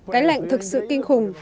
cái lạnh thực sự kinh khủng